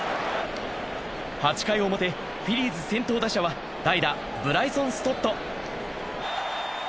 ８回表、フィリーズ先頭打者は代打・ブライソン・ストット。